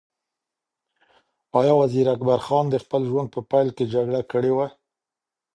ایا وزیر اکبر خان د خپل ژوند په پیل کې جګړه کړې وه؟